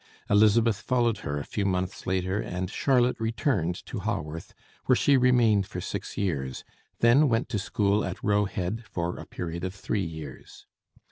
Elizabeth followed her a few months later, and Charlotte returned to Haworth, where she remained for six years, then went to school at Roe Head for a period of three years.